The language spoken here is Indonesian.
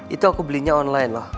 itu aku belinya online loh